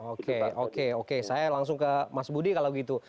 oke oke oke saya langsung ke mas budi kalau gitu